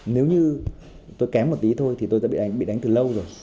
nếu như tôi kém một tí thôi thì tôi đã bị đánh từ lâu rồi